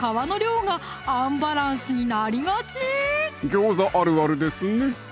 餃子あるあるですね